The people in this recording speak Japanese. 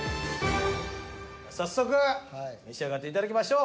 早速召し上がっていただきましょう。